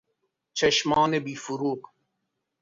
چشمان بیفروغ